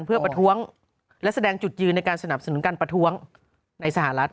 เพื่อประท้วงและแสดงจุดยืนในการสนับสนุนการประท้วงในสหรัฐ